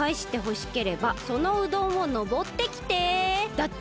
だって。